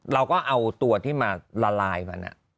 เราก็เอาตัวที่มาละลายมัน